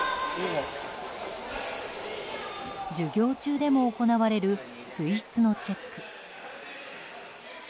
授業中でも行われる水質のチェック。